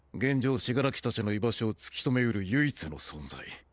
死柄木達の居場所を突き止め得る唯一の存在。